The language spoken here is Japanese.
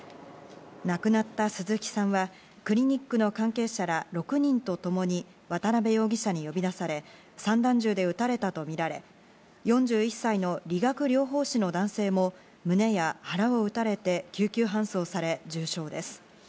亡くなった鈴木さんはクリニックの関係者ら６人とともに渡辺容疑者に呼び出され、散弾銃で撃たれたとみられ、４１歳の理学療法士の男性も胸や腹を撃たれて救急搬送され、重傷です。